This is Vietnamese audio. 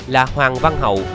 là hoàng văn hậu